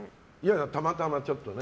たまたまちょっとね。